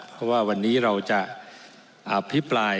เพราะว่าวันนี้เราจะอภิปราย